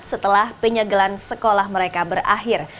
setelah penyegelan sekolah mereka berakhir